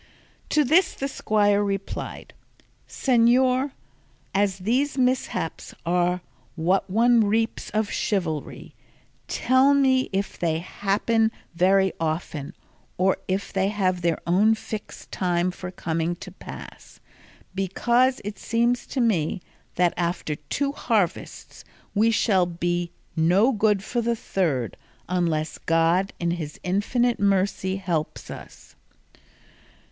To this the squire replied, "Señor, as these mishaps are what one reaps of chivalry, tell me if they happen very often, or if they have their own fixed times for coming to pass; because it seems to me that after two harvests we shall be no good for the third, unless God in his infinite mercy helps us."